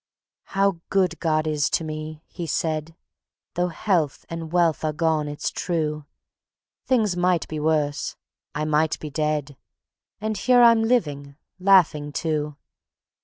"How good God is to me," he said; "Though health and wealth are gone, it's true; Things might be worse, I might be dead, And here I'm living, laughing too.